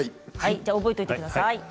じゃあ覚えておいてください。